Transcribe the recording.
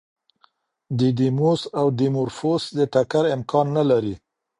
ډیډیموس او ډیمورفوس د ټکر امکان نه لري.